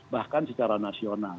bahkan secara nasional